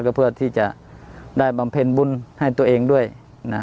ก็เพื่อที่จะได้บำเพ็ญบุญให้ตัวเองด้วยนะ